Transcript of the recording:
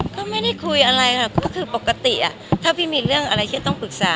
ก็ไม่ได้คุยอะไรค่ะก็คือปกติถ้าพี่มีเรื่องอะไรจะต้องปรึกษา